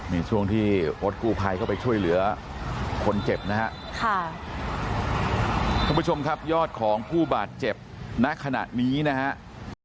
นี่ช่วงที่รถกู้ภัยเข้าไปช่วยเหลือคนเจ็บนะฮะค่ะท่านผู้ชมครับยอดของผู้บาดเจ็บณขณะนี้นะครับ